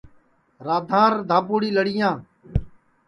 رادھانٚر دھاپُوڑی لڑیپڑِیاں